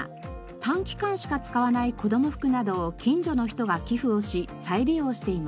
短期間しか使わない子ども服などを近所の人が寄付をし再利用しています。